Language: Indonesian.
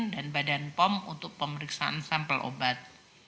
dan badan pom untuk pemeriksaan sampel obat